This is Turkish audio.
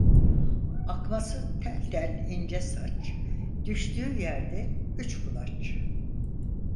Akması tel tel ince saç, Düştüğü yerde üç kulaç.